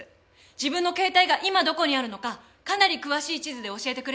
自分の携帯が今どこにあるのかかなり詳しい地図で教えてくれるサービスなんです。